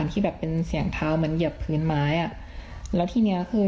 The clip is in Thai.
มีแต่เสียงตุ๊กแก่กลางคืนไม่กล้าเข้าห้องน้ำด้วยซ้ำ